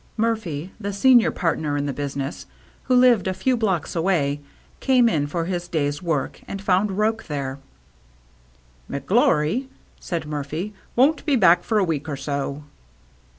Murphy, the senior partner in the business, who lived a few blocks away, came in for his day's work and 148 THE MERRT ANNE found Roche there. " McGlory," said Mur phy, " won't be back for a week or so."